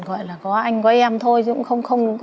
gọi là có anh có em thôi chứ cũng không